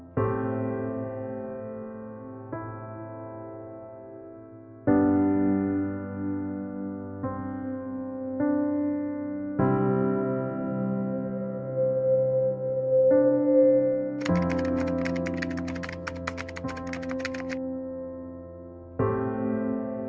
โปรดติดตามตอนต่อไป